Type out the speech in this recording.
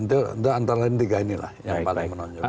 itu antara tiga ini lah yang paling menonjol